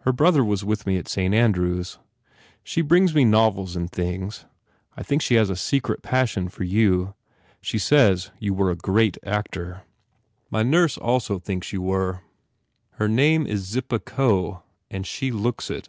Her brother was with me at Saint Andrew s. She brings me novels and things. I think she has a secret passion for you. 104 MARGOT She says you were a great actor. My nurse also thinks you were. Her name is Zippah Coe and she looks it.